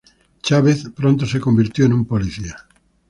Chavez y Chavez pronto se convirtió en un policía.